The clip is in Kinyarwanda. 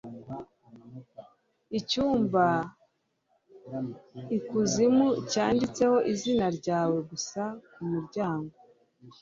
icyumba ikuzimu yanditseho izina ryawe gusa ku muryango